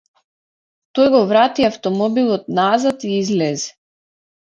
Тој го врати автомобилот наназад и излезе.